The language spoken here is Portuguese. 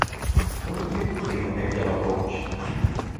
Quanto tempo tenho até que ela volte?